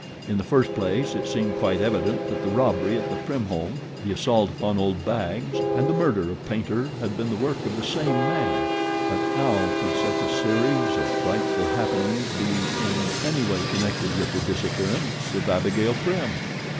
In the first place it seemed quite evident that the robbery at the Prim home, the assault upon Old Baggs, and the murder of Paynter had been the work of the same man; but how could such a series of frightful happenings be in any way connected with the disappearance of Abigail Prim?